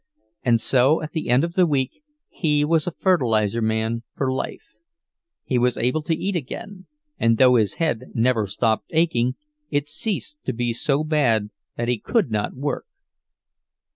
And so at the end of the week he was a fertilizer man for life—he was able to eat again, and though his head never stopped aching, it ceased to be so bad that he could not work.